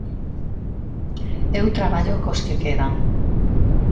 Eu traballo cos que quedan.